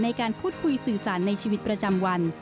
ในการพูดคุยสื่อสารในชีวิตประจำวัน